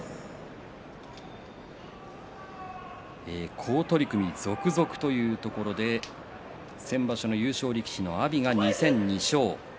好取組、続々というところで先場所の優勝力士の阿炎が２戦２勝。